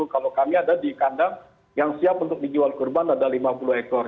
kalau kami ada di kandang yang siap untuk dijual kurban ada lima puluh ekor